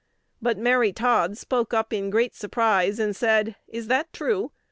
But Mary Todd spoke up in great surprise, and said, "Is that true?